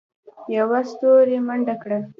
یوه ستوري منډه کړه.